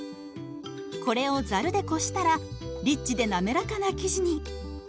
これをザルでこしたらリッチで滑らかな生地に。